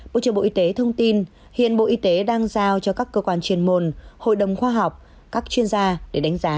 bộ trưởng bộ y tế thông tin hiện bộ y tế đang giao cho các cơ quan chuyên môn hội đồng khoa học các chuyên gia để đánh giá